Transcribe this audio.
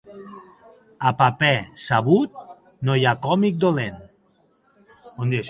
A paper sabut, no hi ha còmic dolent.